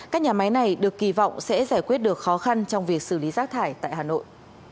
các nhà máy này được kỳ vọng sẽ giải quyết được khó khăn trong việc xử lý rác thải tại hà nội